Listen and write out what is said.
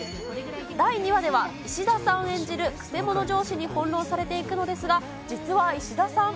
第２話では、石田さん演じるくせ者上司に翻弄されていくのですが、実は石田さん。